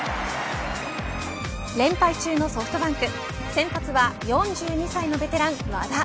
連敗中のソフトバンク先発は４２歳のベテラン和田。